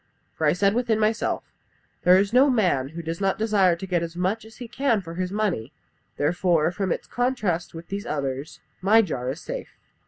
For I said within myself, 'There is no man who does not desire to get as much as he can for his money, therefore, from its contrast with these others, my jar is safe.'